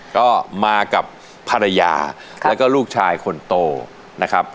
ก็มากับภรรยาแล้วก็ลูกชายคนโตนะครับ